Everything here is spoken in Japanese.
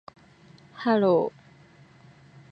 hello